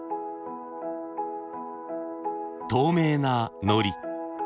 透明なのり。